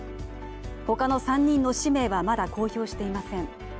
他の３人の氏名はまだ公表していません。